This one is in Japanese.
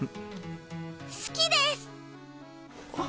すきです。